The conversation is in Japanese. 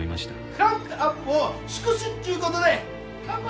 クランクアップを祝すっちゅう事で乾杯！